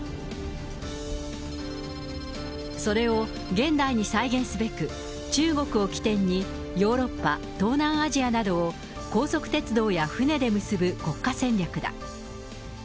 それを現代に再現すべく、中国を起点に、ヨーロッパ、東南アジアなどを高速鉄道や船で結ぶ国家戦略だ。